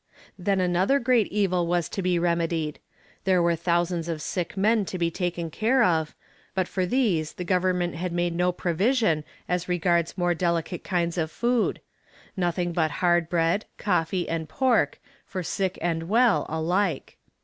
Then another great evil was to be remedied there were thousands of sick men to be taken care of but for these the Government had made no provision as regards more delicate kinds of food nothing but hard bread, coffee and pork, for sick and well, alike.